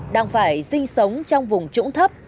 đang phải sinh sống trong vùng trũng thấp